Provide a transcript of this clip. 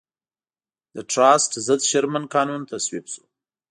د ټراست ضد شرمن قانون تصویب شو.